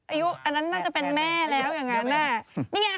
อายุอันนั้นน่าจะเป็นแม่แล้วอย่างนั้นน่ะนี่ไง